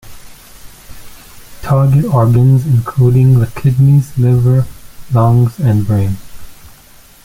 Target organs include the kidneys, liver, lungs and brain.